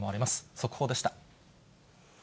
速報でした。